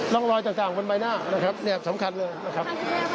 ร่องรอยต่างบนใบหน้านะครับเนี่ยสำคัญเลยนะครับ